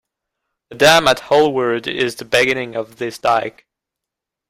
The dam at Holwerd is the beginning of this dike.